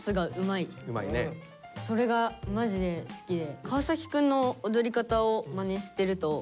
それがマジで好きで。